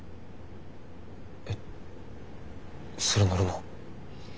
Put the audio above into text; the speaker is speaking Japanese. えっそれ載るの？